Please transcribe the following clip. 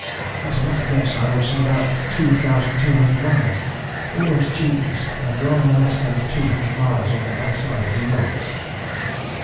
"At a rough guess I should say about two thousand two hundred miles, almost due east, and rather less than two hundred miles on the other side of the Ourals."